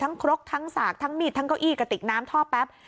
ครกทั้งสากทั้งมีดทั้งเก้าอี้กระติกน้ำท่อแป๊บ